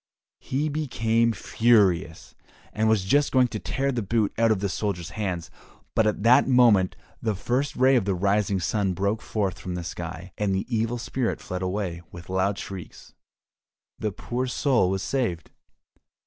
He became furious, and was just going to tear the boot out of the soldier's hands, but at that moment the first ray of the rising sun broke forth from the sky, and the Evil Spirit fled away with loud shrieks. The poor soul was saved.